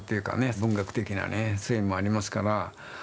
文学的なねそれもありますから。